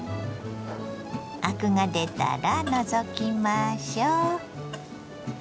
アクが出たら除きましょ。